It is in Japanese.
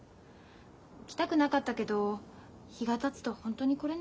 来たくなかったけど日がたつとホントに来れなくなるから。